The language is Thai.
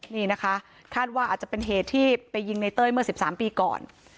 นี่นะคะคาดว่าอาจจะเป็นเหตุที่ไปยิงในเต้ยเมื่อ๑๓ปีก่อน